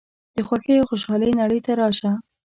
د خوښۍ او خوشحالۍ نړۍ ته راشه.